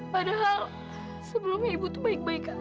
padahal sebelumnya ibu tuh baik baik aja